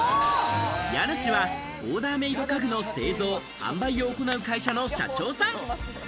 家主はオーダーメイド家具の製造販売を行う会社の社長さん。